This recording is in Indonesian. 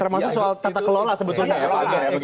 termasuk soal tata kelola sebetulnya ya pak